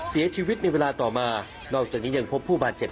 เสียชีวิตในเวลาต่อมานอกจากนี้ยังพบผู้บาดเจ็บ